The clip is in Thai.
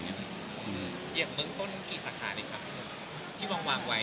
อืมอย่างเมืองต้นกี่สาขาดิคะที่มองวางไว้